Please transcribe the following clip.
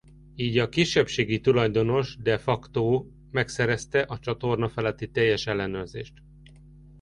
Így a kisebbségi tulajdonos de facto megszerezte a csatorna feletti teljes ellenőrzést.